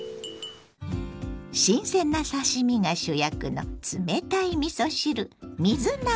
新鮮な刺身が主役の冷たいみそ汁水なます。